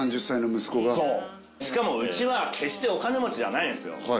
３０歳の息子がそうしかもうちは決してお金持ちじゃないんですよ